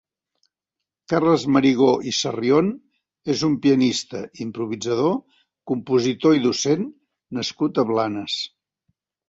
Carles Marigó i Sarrión és un pianista, improvisador, compositor i docent nascut a Blanes.